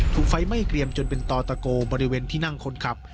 ถูกไฟไหม้เกรียมจนเป็นตอตะโกบริเวณที่นั่งคนขับ